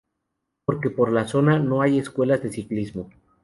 Porque por la zona no hay escuelas de ciclismo.